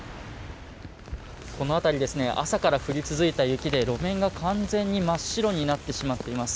この辺り朝から降り続いた雪で路面が完全に真っ白になってしまっています。